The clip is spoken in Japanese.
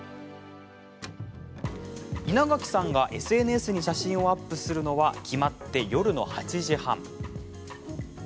イナガキさんがＳＮＳに写真をアップするのは決まって夜の８時半。